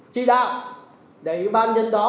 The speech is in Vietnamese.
chi đạo để ủy ba nhân dân đó